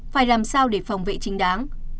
phải làm sao để phòng vệ chính đáng